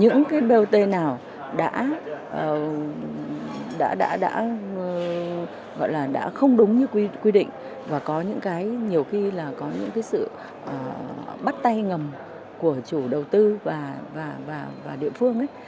những cái bot nào đã không đúng như quy định và có những cái nhiều khi là có những cái sự bắt tay ngầm của chủ đầu tư và địa phương